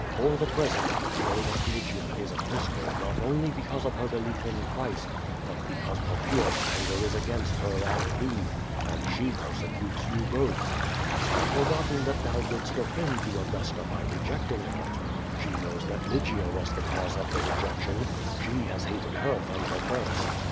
For the present, know that Lygia is a prisoner not only because of her belief in Christ, but because Poppaea's anger is against her and thee, and she persecutes you both. Hast thou for gotten that thou didst offend the Augusta by rejecting her? She knows that Lygia was the cause of the rejection. She has hated her from the first.